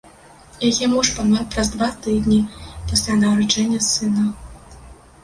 Яе муж памёр праз два тыдні пасля нараджэння сына.